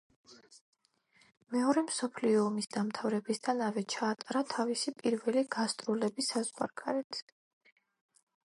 მეორე მსოფლიო ომის დამთავრებისთანავე ჩაატარა თავისი პირველი გასტროლები საზღვარგარეთ.